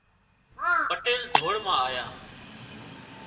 پٽيل ڌوڙ مان آيا